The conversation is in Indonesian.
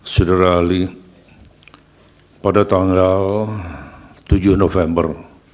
sedara ali pada tanggal tujuh november dua ribu dua puluh tiga